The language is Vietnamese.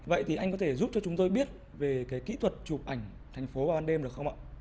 vậy thì anh có thể giúp cho chúng tôi biết về cái kỹ thuật chụp ảnh thành phố vào ban đêm được không ạ